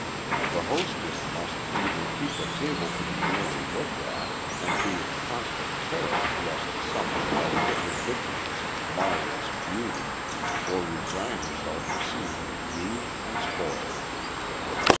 The hostess must either keep the table to be merely looked at, and be in constant terror lest some one outwit her vigilance and mar its "beauty," or resign herself to seeing it used and spoiled.